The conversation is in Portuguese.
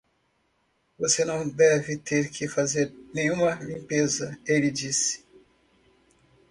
"Você não teve que fazer nenhuma limpeza?" ele disse.